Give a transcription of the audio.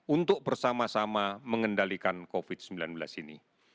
untuk bersama sama mengendalikan covid sembilan belas ini